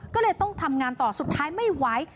ก็เลยต้องทำงานต่อสุดท้ายไม่ไหว